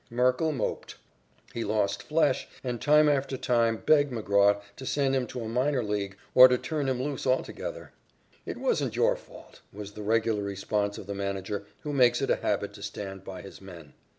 Merkle moped. He lost flesh, and time after time begged McGraw to send him to a minor league or to turn him loose altogether. "It wasn't your fault," was the regular response of the manager who makes it a habit to stand by his men.